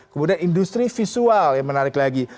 kemudian industri visual yang menarik lagi